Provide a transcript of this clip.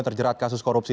berjerat kasus korupsi